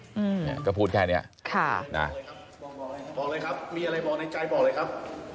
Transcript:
อืมค่ะบอกเลยครับมีอะไรบอกในใจบอกเลยครับ